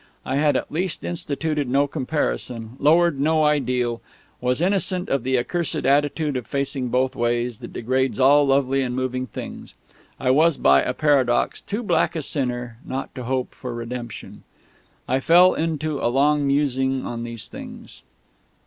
I had at least instituted no comparison, lowered no ideal, was innocent of the accursed attitude of facing both ways that degrades all lovely and moving things. I was, by a paradox, too black a sinner not to hope for redemption.... I fell into a long musing on these things....